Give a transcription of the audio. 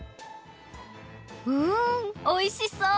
うんおいしそう！